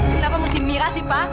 kenapa mesti mira sih pa